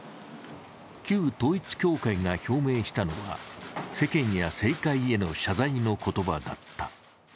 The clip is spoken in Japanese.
旧統一教会が表明したのは世間や政界への謝罪の言葉だった。